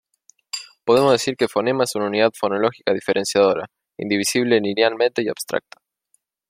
Podemos decir que "fonema" es una unidad fonológica diferenciadora, indivisible linealmente y abstracta.